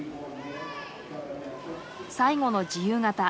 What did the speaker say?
最後の自由形。